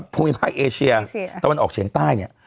ภูมิภาคเอเชียตะวันออกเฉียงใต้เนี่ย